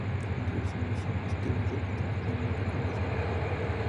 Antes de su misión, Steven se casó oficialmente con jazmín.